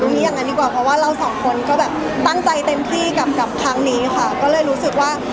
เพราะว่าเราสองคนก็แบบตั้งใจเต็มที่กับกับครั้งนี้ค่ะก็เลยรู้สึกว่า